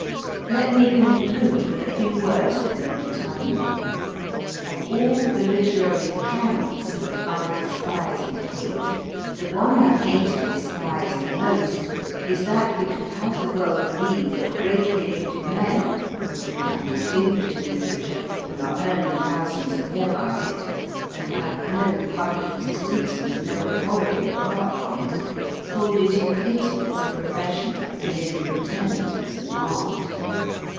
Let me conclude with a few words that may be timely. Of all the literary cants that I despise and hate, the one I hate and despise the most is that which would have the world believe that greatly gifted men who have become distinguished in literature and are earning thousands a year by it, and have no public existence and no apology apart from it, hold it in pity as a profession and in contempt as an art.